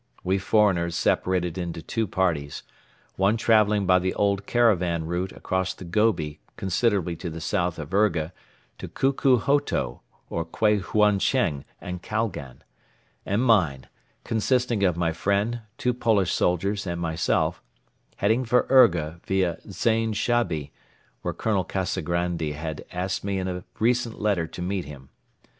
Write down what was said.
We foreigners separated into two parties, one traveling by the old caravan route across the Gobi considerably to the south of Urga to Kuku Hoto or Kweihuacheng and Kalgan, and mine, consisting of my friend, two Polish soldiers and myself, heading for Urga via Zain Shabi, where Colonel Kazagrandi had asked me in a recent letter to meet him.